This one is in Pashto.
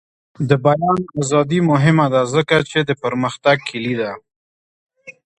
د بیان ازادي مهمه ده ځکه چې د پرمختګ کلي ده.